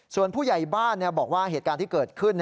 ส่วนผู้ใหญ่บ้านบอกว่าเหตุการณ์ที่เกิดขึ้น